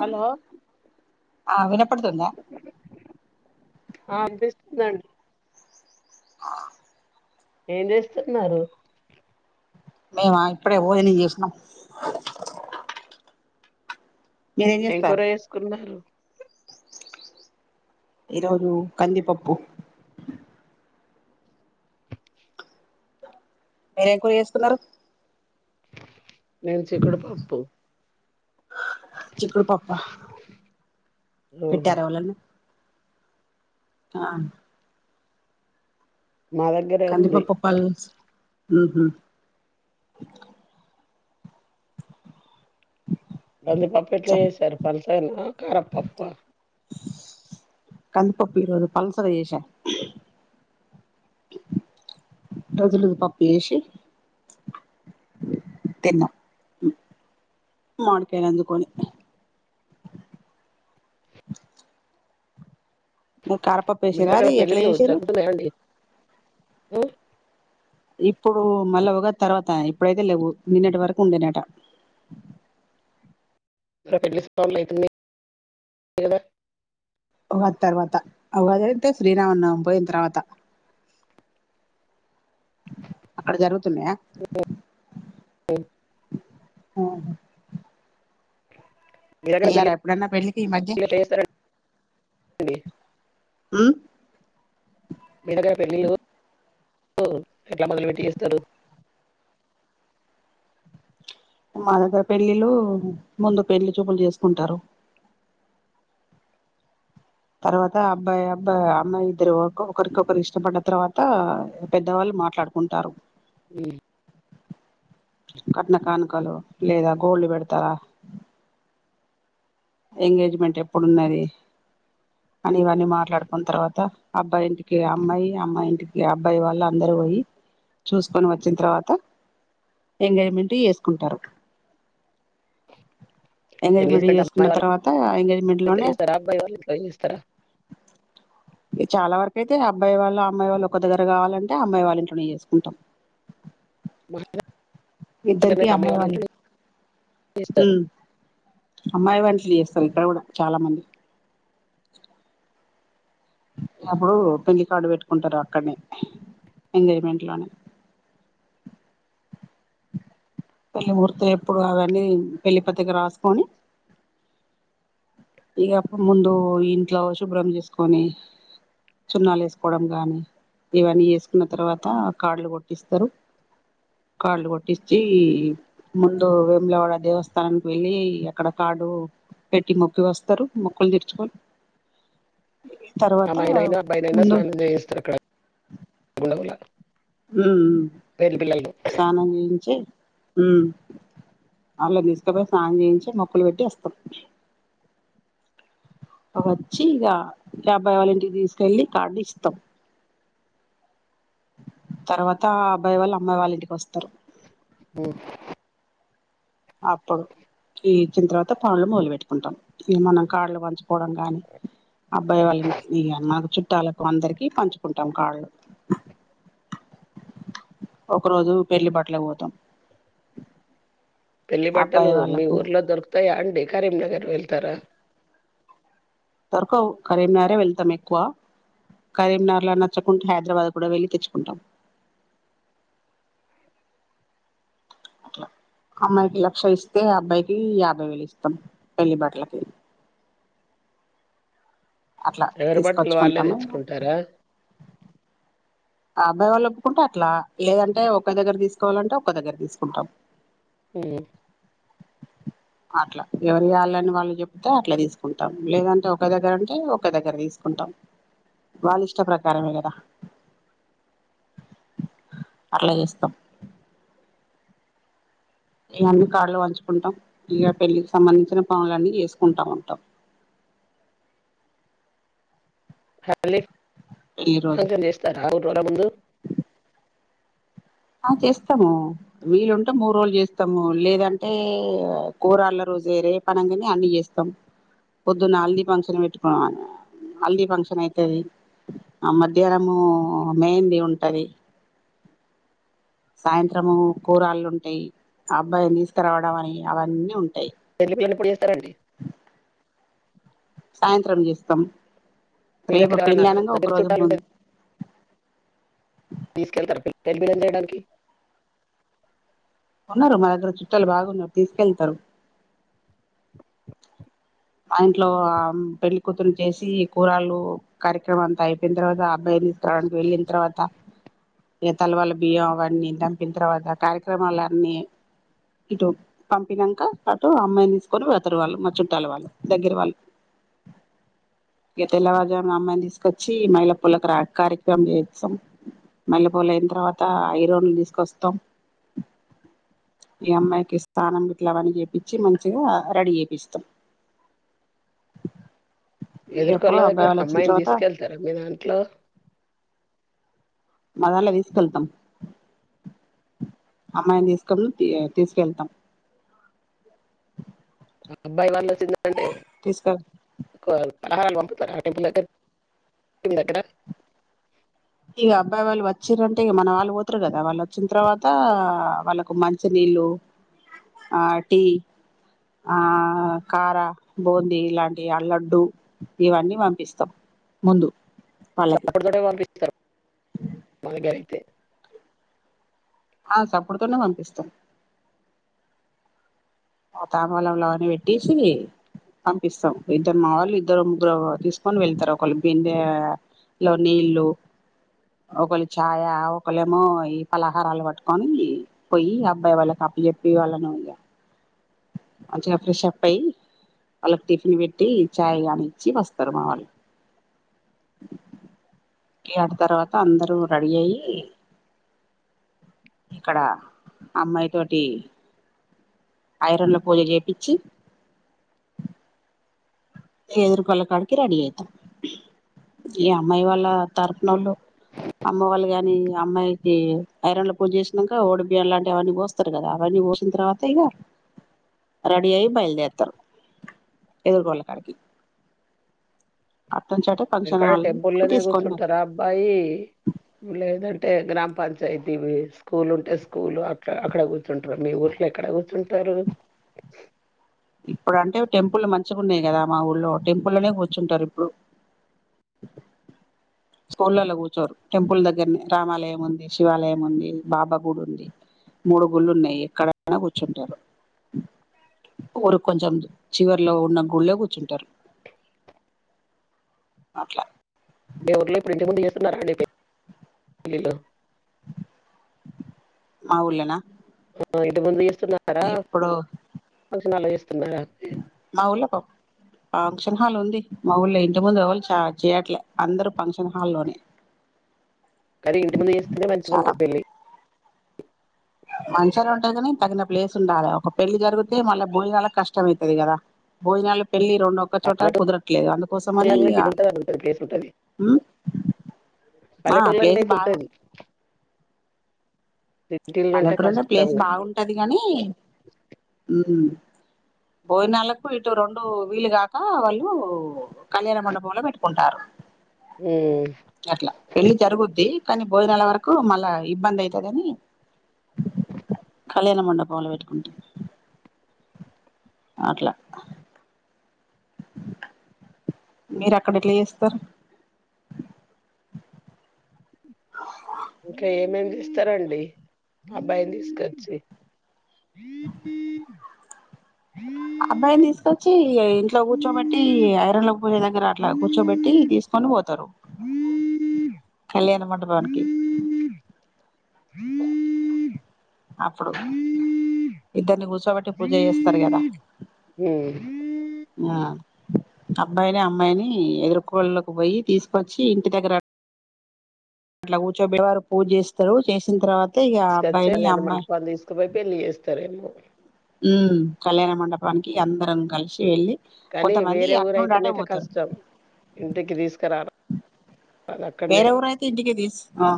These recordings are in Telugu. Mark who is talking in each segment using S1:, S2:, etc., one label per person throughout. S1: హలో
S2: ఆ వినపడుతుందా
S1: ఆ వినిపిస్తుందండి
S2: ఆ
S1: ఏం చేస్తున్నారు
S2: మేమా ఇప్పుడే భోజనం చేసినాం మీరేం
S1: ఏం కూర
S2: చేస్తారు
S1: చేసుకున్నారు
S2: ఈరోజు కందిపప్పు మీరు ఏం కూర చేసుకున్నారు
S1: నేను చీకుడు పప్పు
S2: చిక్కుడు పప్పు ఆ
S1: ఓ
S2: పెట్టారావళని ఆ
S1: మా దగ్గరే
S2: కంది
S1: ఉంది
S2: పప్పు పల్స్ మ్మ్ హ్మ్
S1: గందిపప్పు ఎట్లా
S2: చ
S1: చేసారు ప సరేనా కారప్పప్ప
S2: కందిప పోరుదు పల్సర ఏస రుజులు పప్పు వేసి తిన్నాం మాడికాయలు అందుకొని కారపప వసర అది ఎట్లా ఏసరు
S1: ఆఓ
S2: ఇప్పుడు మళ్ళా ఒకగా తర్వాత ఇప్పుడైతే లేవు నిన్నటి వరకు ఉండే నట
S1: ఇక్క పెట్లిస్తళ్ళ అవుతుంది కదా
S2: ఉ తర్వాత ఒకగా జరిగితే శ్రీరామన్న పోయిన తర్వాత అక్కడ జరుగుతు తున్నాయా ఆ
S1: మీ దగ్గర
S2: ఎ్యారా
S1: పెళ్ళిళ్ళు
S2: ఎప్పుడన్నా పెళ్ళికి ఈ మధ్య
S1: ఎట్లా చేస్తారండి మీ దగ్గర పెళ్ళళ్ళు ఎలా మలు విటి ఇస్తారు
S2: మా దగ్గర పెళ్ళిళ్ళ ముందు పెళ్లి చూపులు చేసుకుంటారు తర్వాత అబ్బాయి అబ్బాయి అమ్మాయి ఇద్దరు ఒకరికొకరు ఇష్టపడ్న తర్వాత పెద్దవాళ్ళు మాట్లాడుకుంటారు
S1: అ
S2: కట్న కానుకలు లేదా గోళ్ళు పెడతారా ఎంగేజ్మెంట్ ఎప్పుడున్నది అని ఇవన్నీ మాట్లాడుకున్న తర్వాత అబ్బాయి ఇంటికి అమ్మాయి అమ్మాయింటికి అబ్బాయి వాళ్ళు అందరుూ పోయి చూసుకొని వచ్చిన తర్వాత ఎంగేజ్మెంట్ చేసుకుంటారు ఎంగజ మడి
S1: ఎంగేజ్మెంట్
S2: ఉన్న
S1: అమ్మాయి వాళ్ళ
S2: తర్వాత ఎంగేజ్మెంట్
S1: ఇంట్లో
S2: లోనే
S1: చేస్తారా అబ్బాయి వాళ్ళ ఇంట్లో చేస్తారా
S2: ఇది చాలా వరకు అయితే అబ్బాయి వాళ్ళు అమ్మాయి వాళ్ళు ఒక దగ్గర కావాలంటే అమ్మాయి వాళ్ళ ఇట్లోనే చేసుకుంటాం ఇద్దరికి అమ్మాయి వాళ్ళ
S1: స్తారు [unintelligible]
S2: అమ్మాయి వంటలు చేస్తారు ఇక్కడ కూడా చాలా మంది ఎప్పుడు పెిండి కార్డు పెట్టుకుంటారు అక్కడనే ఎంగేజ్మెంట్ లోనే పెళ్లిమహూర్తు ఎప్పుడు అవన్నీ పెళ్లిి పత్రిక రాసుకొని ఇకప్పుడు ముందు ఇంట్లో శుభ్రం చేసుకొని చిున్నాలు వేసుకోవడం గాని ఇవన్నీ వేసుకున్న తర్వాత కాళ్లు కొట్టిస్తారు కాళ్లు కొట్టించి ముందు వేములవాడ స్తారు మొక్కలు తీర్చుకొని తర్వాత
S1: అమ్మాయినైనా అబ్బాయినైనా
S2: ముందు
S1: స్నానం చేయిస్తారు అక్కడ గుడవుల
S2: ఉ స్ానం చేయిించే అళ్ళ తీసుకపోయి స్ం చేయించి మొక్కలు పెట్టి వస్తాం వచ్చి ఇక అబ్బాయి వాళ్ళింటికి తీసుకెళ్ళి కార్డు ఇస్తాం తర్వాత ఆ అబ్బాయి వాళ్ళు అమ్మాయి వాళ్ళ ఇంటికి వస్తారు
S1: హ
S2: అప్పుడు ఈ ఇచ్చిన తర్వాత పాండ్లు మొదలు పెెట్టుకుంటాం ఇ మనం కాళ్ు పంచుకోవడం కానీ అబ్బాయి వాళ్ళ ఈ అన్నకు చుట్టాలకు అందరికి పంచుకుంటాం కాళ్ళ ఒక రోజు పెళ్లి బట్టలే పోతాం
S1: పెళ్లి బట్టలు
S2: అబ్బాయి
S1: మీ
S2: వాళ్ళకు
S1: ఊర్లో దొరుకుతాయా అండి కరీంనగర్ వెళ్తారా
S2: రకు కరీంనగారే వెళ్తాం ఎక్కువ కరీంనర్ నచ్చకుంటే హైదరాబాద్ కూడా వెళ్ళి తెచ్చుకుంటాం అట్లా అమ్మాయికి లక్ష ఇస్తే అబ్బాయికి యాభై వేలు ఇస్తాం పెళ్లి బాట్లకి అట్లా
S1: ఎవరి బట్టలు వాళ్ళే
S2: తీసుకొచ్చుకుంటాము
S1: తెచ్చుకుంటారా
S2: అబ్బాయి వాళ్ళు ఒప్పుకుంటే అట్లా లేదంటే ఒకే దగ్గర తీసుకోవాలంటే ఒక దగ్గర తీసుకుంటాం
S1: ఉం
S2: అట్లా ఎవరుయళ్ళని వాళ్ళు చెప్తే అట్లా తీసుకుంటాం లేదంటే ఒకే దగ్గర ఉంటే ఒకే దగ్గర తీసుకుంటాం వాళ్ళ ఇష్ట ప్రకారమే కదా అట్లా చేస్తాం ఇవన్నీ కాళ్లు వంచుకుంటాం ఇక పెళ్లికి సంబంధించిన పనులన్నీ చేసుకుంటా ఉంటాం
S1: మళ్ళీ
S2: పెళ్లి రోజు
S1: ఫంక్షన్ చేస్తార ఆ ఊరోళ్ల ముందు
S2: ఆ చేస్తాము వీళ్ళుంటే మూడు రోజులు చేస్తాము లేదంటే కూరళ్ళ రోజు రే పనంగానే అన్నీ చేస్తాము పొద్దున్న హల్దీ ఫంక్షన్ పెట్టుకున్నా ఆ హల్దీ ఫంక్షన్ అయితది, ఆ మధ్యాహ్నము మెహంది ఉంటంది. సాయంత్రము కూరాళ్ళు ఉంటయి అబ్బాయి తీసుకరావడం అని అవన్నీ ఉంటాయి.
S1: పెల్లి పెళ్ళిపొడి చేస్తారండి
S2: సాయంత్రం చేస్తాం
S1: మీ
S2: రేపు
S1: దగ్గర ఎవరైనా
S2: పెళ్ళనంగా ఒక
S1: దగ్గర
S2: రోజు
S1: చుట్టాలుంటే
S2: ముందు
S1: తీసుకెళ్తారు పిల్ రెడ్ బెలూన్ చేయడానికి [unintelligible]
S2: ఉన్నారు మా దగ్గర చుట్టాలు బాగున్నారు తీసుకెళ్తారు ఆ ఇంట్లో పెళ్లి ఆమ్ కూతుర్రు చేసి కూరలు కార్యక్రమం అంతా అయిపోయిన తర్వాత అబ్బాయ్ ని తీసుకురావడానికి వెళ్ళిన తర్వాత ఈతల వాళ్ళ బియ్యం అవన్నీ దంపిన తర్వాత కార్యక్రమాల అన్ని ఇటు పంపినాక అటు అమ్మాయిని తీసుకొని వతరు వాళ్ళు మా చుట్టాల వాళ్ళు దగ్గర వాళ్ళు ఇక తెల్లవారుజామున అమ్మాయిని తీసుకొచ్చి మైల పోలుకు కార్యక్రమం చేయిస్తాం మైల పూలు అయిన తర్వాత ఐరోన్లు తీసుకొస్తాం ఈ అమ్మాయికి స్నానం ఇట్లావని చేయించి మంచిగా రెడీ చేపిస్తాం ఎప్పుడు
S1: ఎదురుకొళ్ళ
S2: అబ్బాయి
S1: దగ్గర
S2: వాళ్ళు వచ్చిన
S1: అమ్మాయిని
S2: తర్వాత
S1: తీసుకెళ్తారా మీ దాంట్లో
S2: మదానిలో తీసుకెళ్తాం అమ్మాయిని తీసుకె తీసుకెళతాం
S1: అబ్బాయి వాళ్ళ తిందాం అంటే
S2: తీసుకెళ్
S1: [unintelligible] ఫలహారాలు పంపుతారా ఆ టెంపుల్ దగ్గర
S2: ఇక అబ్బాయి వాళ్ళ వచ్చిర్రంటే ఇక మన వాళ్ళు పో తరు కదా వాళ్ళు వచ్చిన తర్వాత వాళ్ళకు మంచినీళ్ళు ఆ టీ ఆ కార బూందీ ఇలాంటి అ లడ్డు ఇవన్నీ పంపిస్తాం ముందు వాళ్ళకి
S1: చెప్పకూడదు అటే వాళ్ళవి [unintelligible] బాగా అయితే
S2: ఆ చప్పుడుతోనే పంపిస్తాం ఓ తాంబూలంలో అన్నీ పెట్టేసి పంపిస్తాం ఇద్దరు మా వాళ్ళు ఇద్దరు ముగ్గురో తీసుకొని వెళతారు ఒకలు బిందె లో నీళ్ళు ఒకళ్ళు ఛాయ ఒకళేమో ఈ పలహారాలు పట్టుకొని పోయి అబ్బాయి వాళ్ళకి అప్పచెప్పి వాళ్ళను ఇక మంచిగా ఫ్రెష్ అప్ అయి వాళ్ళకి టిఫిన్ పెట్టి చాయ్ కానిచ్చి వస్తారు మా వాళ్ళు అటు తర్వాత అందరూ రెడీ అయయిి ఇక్కడ అమ్మాయి తోటి ఐరన్ డ్ల ల పూజ జేపించి ఎదురుకళ్ల కాడికి రెడీ అయితాం, ఈ అమ్మాయి వాళ్ళ తరఫునళ్ళు అమ్మ వాళ్ళు కాని అమ్మాయికి ఐరన్ల పూజ చేసినాక ఓడిబియ్యం లాంటివి అవన్నీ పోస్తారు కదా అవన్నీ పోసిన తర్వాత ఇక రెడీ అయి బయలుదేరతారు ఎదురుకోళ్ళ కాడికి అట్నుంచి అటే ఫంక్షన్
S1: ఎక్కడ
S2: హాల్
S1: టెంపుల్
S2: కు
S1: లోనే
S2: తీసుకొని పోతారు
S1: కూర్చుంటారా అబ్బాయి లేదంటే గ్రామ పంచాయతీ స్కూల్ ఉంటే స్కూల్ అడ అక్కడ కూర్చుంటారు మీ ఊర్లో ఎక్కడ కూర్చుంటారు
S2: ఇప్పుడు అంటే టెంపుల్ మంచిగా ఉన్నాయి కదా మా ఊల్లో టెంపుల్నే కూర్చుంటారు ఇప్పుడు స్కూళలో కూర్చోరు టెంపుల్ దగ్గరనే రామాలయం ఉంది, శివాలయం ఉంది, బాబా గుడి ఉంది మూడుగుళ్ళు ఉన్నాయి ఎక్కడైనా కూర్చుంటారు ఊరుకి కొంచెం చివరిలో ఉన్న గుళ్ళే కూర్చుంటారు అట్లా
S1: బేవురులో ప్రజ మ ఎస్తున్నారు
S2: ఆ ఊర్లేన
S1: మా ఐదు మంది ర్చున్నారా ఫక్షన్ హాల్లో చేసుకె
S2: మా ఊర్లో కో పామ్ ఫంక్షన్ హాల్ ఉంది మా ఊళ్ళ ఇంటి ముందుళ్ళు చ చేయట్లే అందరుూ ఫంక్షన్ హా లోనే
S1: కానీ ఇంటి ముందు చేస్తేనే మంచిగా
S2: చాలా
S1: ఉంటుంది పెళ్ళి
S2: మంచిగానే ఉంటది కానీ తగిన ప్లేస్ ఉండాలి ఒక పెళ్లి జరిగితే మళ్ళా భోజనాలకు కష్టం అవుతుది కదా భోజనాలు పెళ్ళి రెండు ఒక్క చోట కుదరట్లేదు అందుకోసమని
S1: పల్లెటూళ్ళలో
S2: ఇక
S1: అయితే ఇది ఉంటుంది అని ఉంటుంది పల్లెటుల్లో [inaudible]
S2: బాగా
S1: ఉంటది
S2: పల్లెటూరు అంటే ప్లేస్
S1: కానీ
S2: బాగుంటది గాని ఉమ్ హమ్ భోజనాలకు ఇటు రెండు వీలుగాక వాళ్ళు కళ్యాణ మండపంలో పెట్టుకుంటారు
S1: ఉమ్,
S2: అట్లా పెళ్లి జరుగుద్ది కాని భోజనాల వరకు మళ్ళా ఇబ్బంది అయితాదిని కళ్యాణ మండపంలోంలో వెట్టుకుంట అట్లా మీరు అక్కడ ఎట్టా చేస్తార్
S1: ఇంకా ఏమేమి చేస్తారంండి అబ్బాయిని తీసుకొచ్చి
S2: అబ్బాయిని తీసుకొచ్చి ఇంట్లో కూర్చోబెట్టి ఐరన్ లోకి దగ్గర అట్లా కూర్చోబెటి తీసుకొని పోతారు
S1: హ
S2: కళ్యాణం మండపానికి
S1: హ
S2: అప్పుడు ఇద్దరిని కూర్చోబట్టి పూజ చేస్తారు కదా అబ్బాయిని అమ్మాయిని ఎదురుకోకి పోయి తీసుకొచ్చి ఇంటి దగ్గర అట్లా కూర్చోబేవారు పూజ చేస్తారు చేసిన తర్వా
S1: తీసుకొచ్చ లేన మంట పని తీసుకుపోయి పెళ్లిి చేస్తారేమో
S2: ఉ కళ్యాణ మండపానికి అందరం కలిసి వెళ్ళి
S1: కానీ
S2: కొంతమంది
S1: వేరే
S2: అట్నుండి అటే
S1: ఊరైతేనయితే
S2: పోతారు
S1: కష్టం ఇంటికి తీసుకురాల
S2: వేర ఊరయయితే ఇంటిక తీస్ ఆ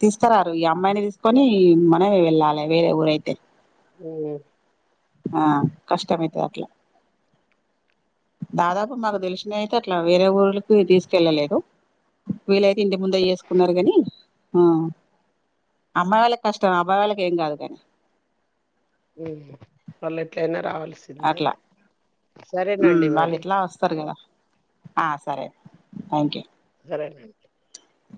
S2: తీసుకో రారు ఈగా అమ్మాయిని తీసుకొని మనమ వెళ్ళాలి వేరే ఊరైతే
S1: ఉమ్
S2: ఆ కష్టమైతది అట్లా దాదాపు మాకు తెలిసిన అయితే అట్లా వేరే ఊర్లకి తీసుకెళ్ళలేదు వీళ్లైతే ఇంటి ముంద చేసుకున్నారు కాని ఆ అమ్మాయి వాళ్ళకి కష్టం అబ్బాయిళ్ళకి ఏం కాదు కాని
S1: వా ఎట్లనా రావాల్సిందే
S2: అట్లా
S1: సరేనండి
S2: వాళ్ళు
S1: మరి
S2: ఇట్లా వస్తారు కదా ఆ సరే థ్యాంక్ యూ
S1: సరేనండి